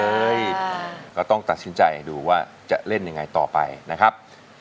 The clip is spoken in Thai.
ก็ต้องตัดสินใจดูว่าจะเล่นยังไงต่อไปนะครับ